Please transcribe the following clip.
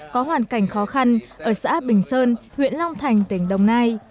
có hoàn cảnh khó khăn ở xã bình sơn huyện long thành tỉnh đồng nai